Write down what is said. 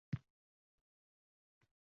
– oddiy evolyutsion jarayon bu.